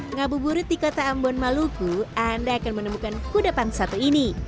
ngabuburit di kota ambon maluku anda akan menemukan kudapan satu ini